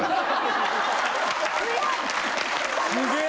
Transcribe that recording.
すげえ！